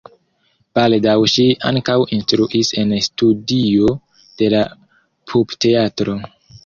Baldaŭ ŝi ankaŭ instruis en studio de la Pupteatro.